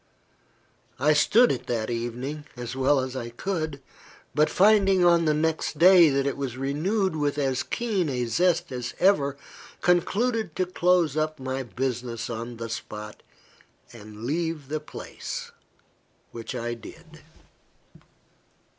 I stood it that evening, as well as I could; but finding, on the next day, that it was renewed with as keen a zest as ever, concluded to close up my business on the spot, and leave the place which I did.